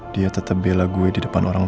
dia tetap bela gue di depan orang